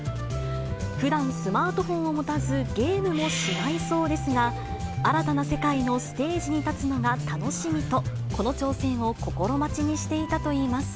ふだん、スマートフォンも持たず、ゲームもしないそうですが、新たな世界のステージに立つのが楽しみと、この挑戦を心待ちにしていたといいます。